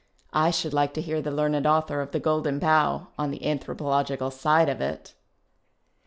(I should like to hear the learned author of " The Golden Bough " on the anthropological side of it.)